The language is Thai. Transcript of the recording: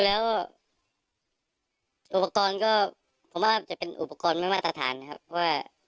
แล้วอุปกรณ์ก็ผมว่าจะเป็นอุปกรณ์ไม่มาตรฐานนะครับว่า